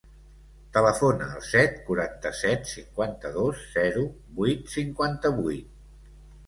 Telefona al set, quaranta-set, cinquanta-dos, zero, vuit, cinquanta-vuit.